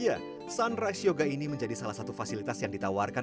iya sunrise yoga ini menjadi salah satu fasilitas yang ditawarkan